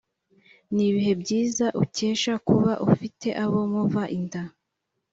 ni ibihe byiza ukesha kuba ufite abo muva inda